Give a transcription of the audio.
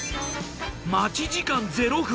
待ち時間ゼロ分